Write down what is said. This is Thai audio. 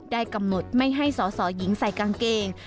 กำหนดไม่ให้สอสอหญิงใส่กางเกง